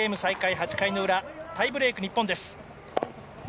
８回の裏、タイブレーク日本です。